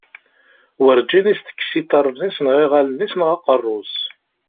Werǧin i as-tekkes iḍarren-is, neɣ iɣallen-is, neɣ aqerru-s.